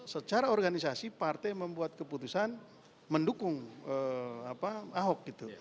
secara organisasi partai membuat keputusan mendukung ahok gitu